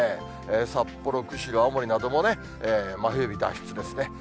札幌、釧路、青森などもね、真冬日脱出ですね。